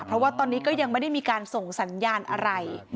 เพราะว่าตอนนี้ก็ยังไม่ได้มีการส่งสัญญาณอะไร